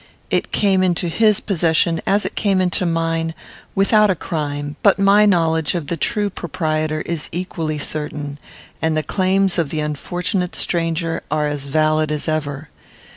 It came into his possession, as it came into mine, without a crime; but my knowledge of the true proprietor is equally certain, and the claims of the unfortunate stranger are as valid as ever.